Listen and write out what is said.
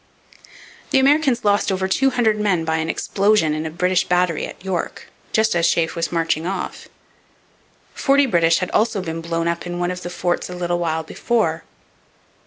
The Americans lost over two hundred men by an explosion in a British battery at York just as Sheaffe was marching off. Forty British had also been blown up in one of the forts a little while before.